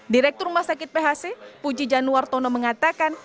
direktur rumah sakit phc puji januar tono mengatakan